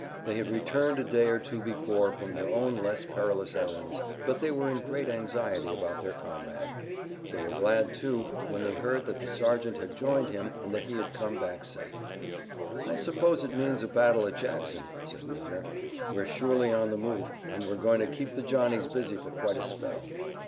They had returned a day or two before from their own less perilous errands, but they were in great anxiety about their comrade. They were glad too, when they heard that the sergeant had joined him and that he had come back safe. "I suppose it means a battle at Jackson," said Warner. "We're surely on the move, and we're going to keep the Johnnies busy for quite a spell."